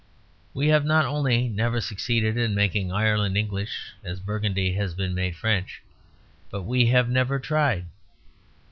We have not only never succeeded in making Ireland English, as Burgundy has been made French, but we have never tried.